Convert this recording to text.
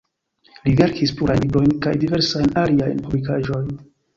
Li verkis plurajn librojn kaj diversajn aliajn publikaĵojn.